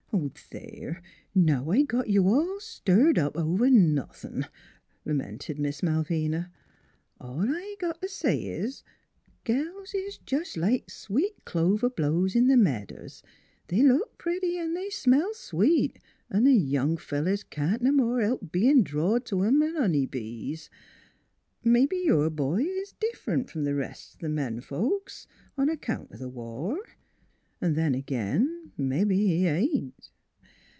" There ! Now, I got you all stirred up over nothin'," lamented Miss Malvina. " All I got t' say is: Girls is jest like sweet clover blows in the meadows; they look pretty an' smell sweet, an' th' young fellows can't no more help bein' drored t' 'em 'an honey bees. Mebbe your boy is diff'rent from th' rest of men folks, on account o' th' war, an' then ag'in mebbe he ain't."